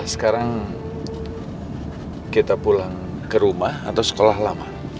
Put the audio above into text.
sekarang kita pulang ke rumah atau sekolah lama